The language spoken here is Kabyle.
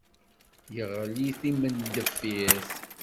Yeɣli d timendeffirt.